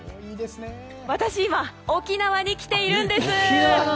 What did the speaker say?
私、今沖縄に来ているんです。